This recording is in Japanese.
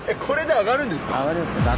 上がりますよ。